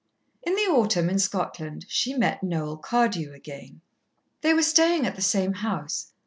In the autumn, in Scotland, she met Noel Cardew again. They were staying at the same house.